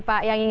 ya di landang